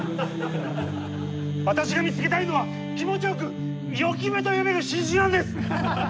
私が見つけたいのは気持ちよく「イオキベ」と呼べる新種なんです！